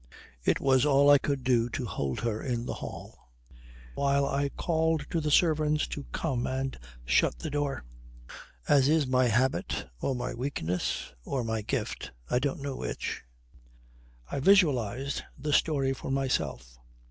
It was all I could do to hold her in the hall while I called to the servants to come and shut the door." As is my habit, or my weakness, or my gift, I don't know which, I visualized the story for myself.